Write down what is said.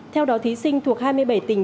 theo đó thí sinh thuộc hai mươi bảy tỉnh